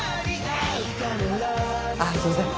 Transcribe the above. あっすいません。